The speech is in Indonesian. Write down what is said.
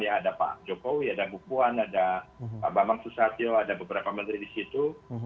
ada pak jokowi ada bukuan ada pak bambang susatyo ada beberapa menteri di situ